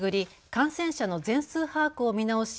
感染者の全数把握を見直し